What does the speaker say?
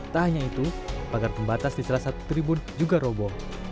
tak hanya itu pagar pembatas di salah satu tribun juga robo